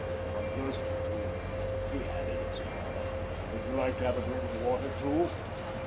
I'm thirsty, too," he added, as he got up. "Would you like to have a drink of water, too?"